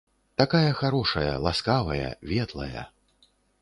Такая харошая, ласкавая, ветлая.